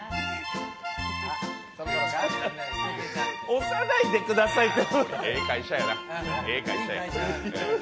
押さないでくださいって。